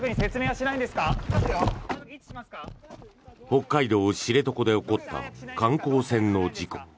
北海道・知床で起こった観光船の事故。